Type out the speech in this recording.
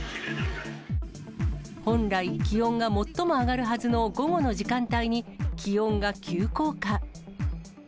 本来、気温が最も上がるはずの午後の時間帯に、気温が急降下。